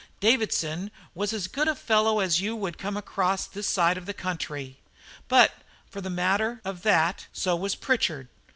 Davidson was as good a fellow as you would come across this side of the country; but for the matter of that, so was Pritchard.